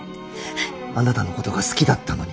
あなたのことが好きだったのに。